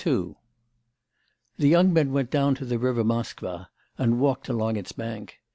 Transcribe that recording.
II The young men went down to the river Moskva and walked along its bank.